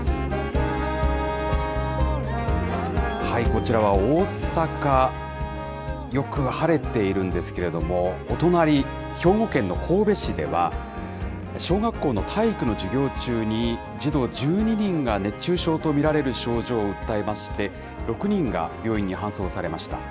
こちらは大阪、よく晴れているんですけれども、お隣、兵庫県の神戸市では、小学校の体育の授業中に、児童１２人が熱中症と見られる症状を訴えまして、６人が病院に搬送されました。